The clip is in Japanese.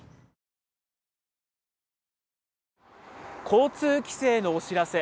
交通規制のお知らせ。